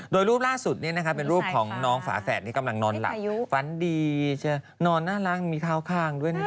โดยรูปล่าสุดนี้เป็นรูปของน้องฝาแฝดที่กำลังนอนหลับฝันดีนอนน่ารักมีเท้าข้างด้วยนะ